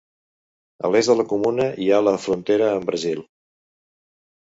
A l'est de la comuna, hi ha la frontera amb Brasil.